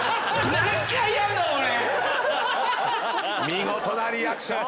見事なリアクション！